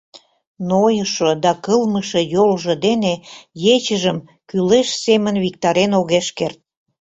Нойышо да кылмыше йолжо дене ечыжым кӱлеш семын виктарен огеш керт.